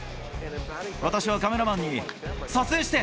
私はカメラマンに、撮影して！